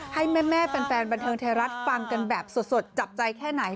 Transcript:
ให้แม่แฟนบันเทิงไทยรัฐฟังกันแบบสดจับใจแค่ไหน